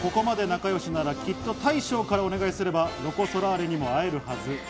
ここまで仲良しなら、きっと大将からお願いすれば、ロコ・ソラーレにも会えるはず。